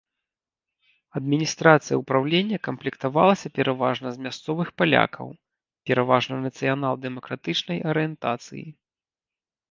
Адміністрацыя ўпраўлення камплектавалася пераважна з мясцовых палякаў, пераважна нацыянал-дэмакратычнай арыентацыі.